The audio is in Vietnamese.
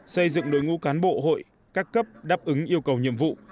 xây dựng đội ngũ cán bộ hội các cấp đáp ứng yêu cầu nhiệm vụ